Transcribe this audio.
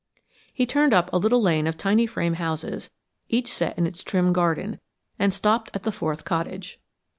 He turned up a little lane of tiny frame houses, each set in its trim garden, and stopped at the fourth cottage.